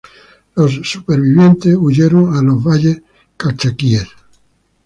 Los sobrevivientes huyeron a los Valles Calchaquíes.